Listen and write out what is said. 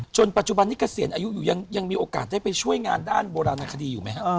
ปัจจุบันนี้เกษียณอายุอยู่ยังมีโอกาสได้ไปช่วยงานด้านโบราณคดีอยู่ไหมครับ